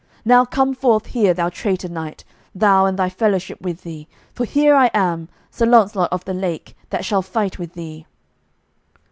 Now come forth here, thou traitor knight, thou and thy fellowship with thee, for here I am, Sir Launcelot of the Lake, that shall fight with thee."